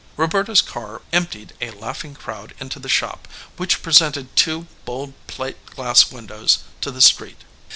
Roberta's car emptied a laughing crowd into the shop, which presented two bold plate glass windows to the street.